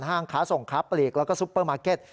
ห้างข้าส่งข้าผลิกแล้วก็ซุปเปอร์มาร์เก็ต